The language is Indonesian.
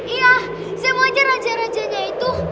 iya semuanya raja raja nya itu